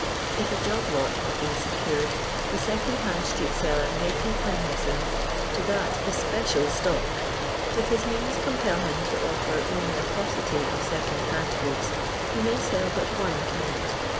fa •'job lot" have been secured, the second hand street seller may confine himself to that especial 14 LONDON LABOUR AND THE LONDON POOR. stock. If his means compel him to offer onlj a paucity of second hand good% he may sell but one kind.